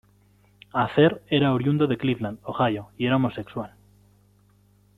Acer era oriundo de Cleveland, Ohio y era homosexual.